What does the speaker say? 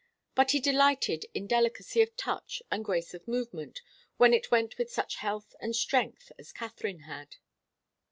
But he delighted in delicacy of touch and grace of movement when it went with such health and strength as Katharine had.